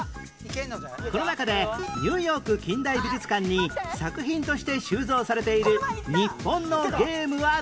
この中でニューヨーク近代美術館に作品として収蔵されている日本のゲームはどれ？